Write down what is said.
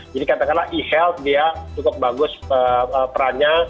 jadi katakanlah e health dia cukup bagus perannya